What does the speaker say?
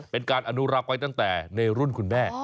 เป็นการอนุรักษ์ไว้ตั้งแต่ในรุ่นคุณแม่